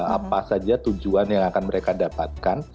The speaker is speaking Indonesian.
apa saja tujuan yang akan mereka dapatkan